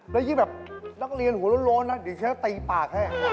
แล้วยิ่งแบบนักเรียนหัวโล้นนะเดี๋ยวฉันจะตีปากให้